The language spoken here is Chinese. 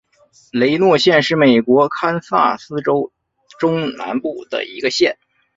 雷诺县是美国堪萨斯州中南部的一个县。